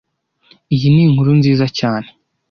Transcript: Iyi ni inkuru nziza cyane